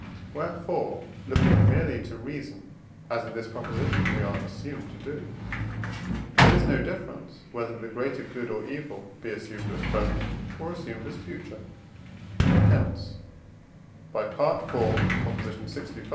wherefore, looking merely to reason, as in this proposition we are assumed to do, there is no difference, whether the greater good or evil be assumed as present, or assumed as future; hence (IV. lxv.)